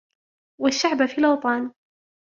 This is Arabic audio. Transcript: والشعــــــبَ فـــــي الأوطـــــــان